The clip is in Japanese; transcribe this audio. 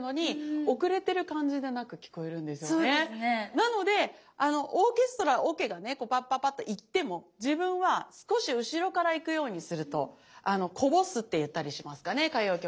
なのでオーケストラオケがねこうパッパパッと行っても自分は少し後ろから行くようにするとあのこぼすって言ったりしますかね歌謡曲の世界ではね。